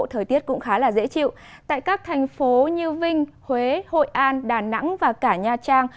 thời tiết cũng khá là dễ chịu tại các thành phố như vinh huế hội an đà nẵng và cả nha trang